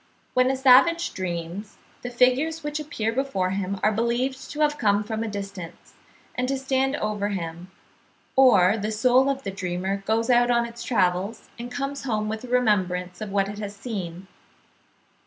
When a savage dreams, the figures which appear before him are believed to have come from a distance, and to stand over him; or "the soul of the dreamer goes out on its travels, and comes home with a remembrance of what it has seen."